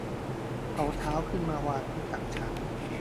เอาเท้าขึ้นมาวางที่ตักฉัน